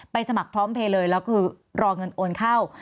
สมัครพร้อมเพลย์เลยแล้วคือรอเงินโอนเข้า